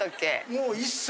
もう。